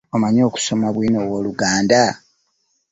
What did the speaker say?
Omanyi okusoma bwino ow'oluganda?